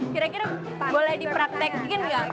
kira kira boleh dipraktekin nggak